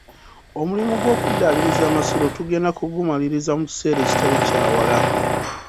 Omulimu gw'okuddaabiriza amasiro tugenda kugumaliriza mu kiseera ekitali kya wala.